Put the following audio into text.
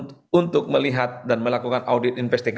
maka satu satunya cara untuk melihat dan melakukan audit investigasi